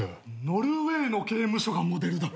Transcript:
ノルウェーの刑務所がモデルだ！